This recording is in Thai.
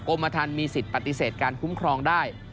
กรมธรรมมีสิทธิ์ปฏิเสธการคุ้มครองได้